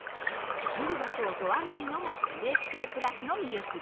見る場所を問わないのもＮＨＫ＋の魅力です。